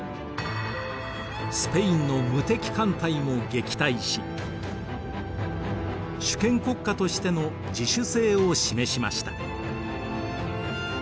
スペインの無敵艦隊も撃退し主権国家としての自主性を示しました。